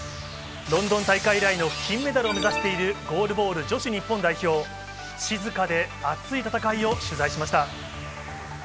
ロンドン大会以来の金メダルを目指している、ゴールボール女子日本代表、静かで熱い戦いを取材しました。